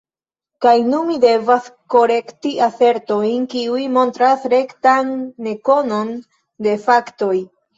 Kaj nun mi devas korekti asertojn, kiuj montras rektan nekonon de faktoj.